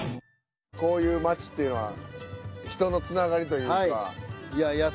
こういう町っていうのは人のつながりというか。